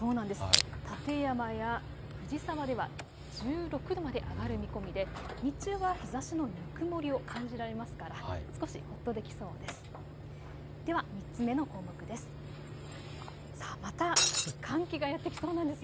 館山や藤沢では１６度まで上がる見込みで日中は日ざしのぬくもりを感じられますから少しほっとできそうです。